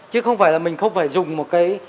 chứ không phải là mình không phải dùng một cái